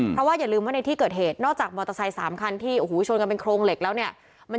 เพราะว่าอย่าลืมว่าในที่เกิดเหตุนอกจากมอเตอร์ไซค์๓คันที่โอ้โหชนกันเป็นโครงเหล็กแล้วเนี่ย